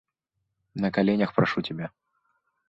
На коленях прошу тебя!